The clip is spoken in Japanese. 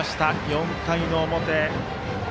４回の表。